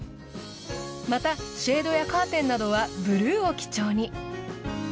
またシェードやカーテンなどはブルーを基調に。